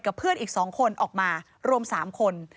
เพื่อนอีก๒คนออกมารวม๓คน